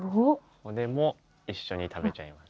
骨も一緒に食べちゃいます。